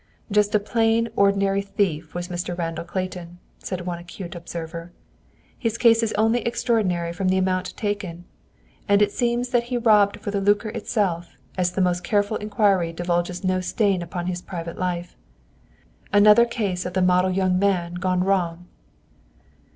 "Just a plain, ordinary thief was Mr. Randall Clayton," said one acute observer; "his case is only extraordinary from the amount taken. And it seems that he robbed for the lucre itself, as the most careful inquiry divulges no stain upon his private life. Another case of the 'model young man' gone wrong."